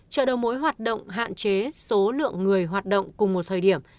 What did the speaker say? chợ đầu mối hoạt động hạn chế số lượng người hoạt động cùng một thời điểm